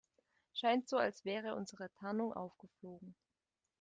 Scheint so, als wäre unsere Tarnung aufgeflogen.